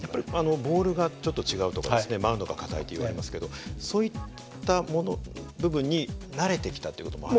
ボールがちょっと違うとかマウンドが硬いといわれますけどそういった部分に慣れてきたという事も。